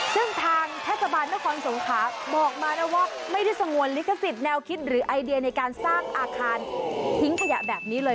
ซึ่งทางเทศบาลนครสงขาบอกมานะว่าไม่ได้สงวนลิขสิทธิแนวคิดหรือไอเดียในการสร้างอาคารทิ้งขยะแบบนี้เลย